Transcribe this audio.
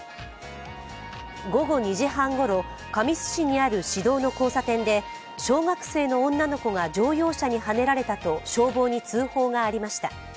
午後２時半ごろ、神栖市にある市道の交差点で、小学生の女の子が乗用車にはねられたと消防に通報がありました。